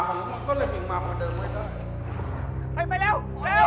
ก็เลยบินมันเดินไม่ได้